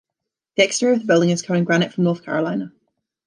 The exterior of the building is covered in granite from North Carolina.